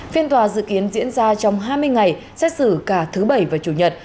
phiên tòa dự kiến diễn ra trong hai mươi ngày xét xử cả thứ bảy và chủ nhật